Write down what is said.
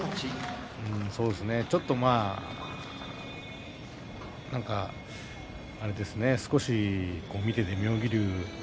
そうですね、ちょっと何か少し見ていて妙義龍